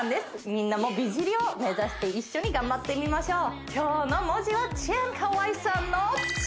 みんなも美尻を目指して一緒に頑張ってみましょう今日の文字はチャンカワイさんの「チ」